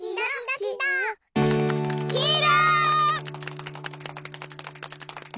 きいろ！